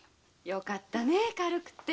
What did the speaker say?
よかったね軽くって。